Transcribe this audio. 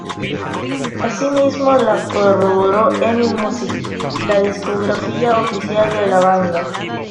Asimismo lo corroboró Emi Music, la discografía oficial de la banda.